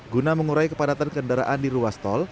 guna mengurai kepadatan kendaraan di ruas tol